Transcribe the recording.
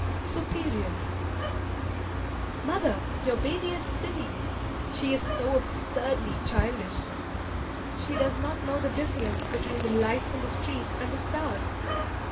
SUPERIOR Mother, your baby is silly! She is so absurdly childish! She does not know the difference between the lights in the streets and the stars.